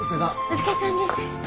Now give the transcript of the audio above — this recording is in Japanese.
お疲れさんです。